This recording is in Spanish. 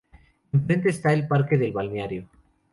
Enfrente está el parque del balneario.